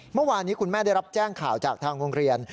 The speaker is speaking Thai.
เมื่อวานนี้คุณแม่ได้รับแจ้งข่าวจากทางโรงเรียน